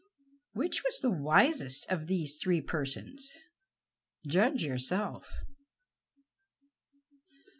Which was the wisest of these three persons, judge yourself.